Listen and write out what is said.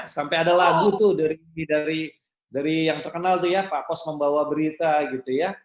sampai ada lagu tuh dari yang terkenal tuh ya pak pos membawa berita gitu ya